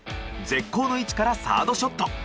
絶好の位置からサードショット。